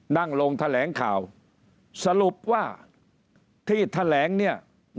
นั่งลงแถลงข่าวสรุปว่าที่แถลงเนี่ย